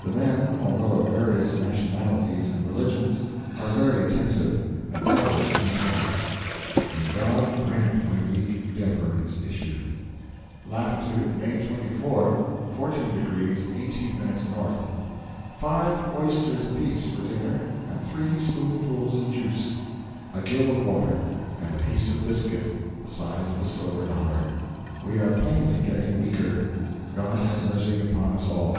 The men, although of various nationalities and religions, are very attentive, and always uncovered. May God grant my weak endeavour its issue! Latitude, May 24, 14 degrees 18 minutes N. Five oysters apiece for dinner and three spoonfuls of juice, a gill of water, and a piece of biscuit the size of a silver dollar. 'We are plainly getting weaker God have mercy upon us all!'